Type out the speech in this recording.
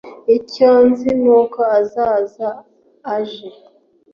icyo nzi nuko azaza aje